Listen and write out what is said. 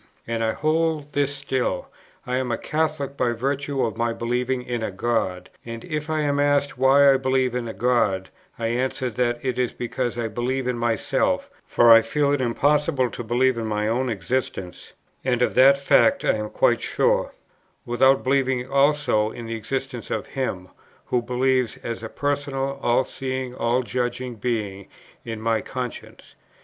And I hold this still: I am a Catholic by virtue of my believing in a God; and if I am asked why I believe in a God, I answer that it is because I believe in myself, for I feel it impossible to believe in my own existence (and of that fact I am quite sure) without believing also in the existence of Him, who lives as a Personal, All seeing, All judging Being in my conscience.